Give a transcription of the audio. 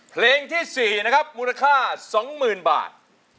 เพลงที่๔นะครับมูลค่า๒๐๐๐บาท